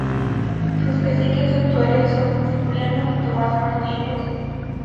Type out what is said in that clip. Sus caciques actuales son Cipriano y Tomás Martínez.